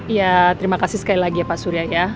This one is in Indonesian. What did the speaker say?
ya terima kasih sekali lagi ya pak surya ya